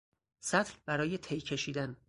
سطل برای تی کشیدن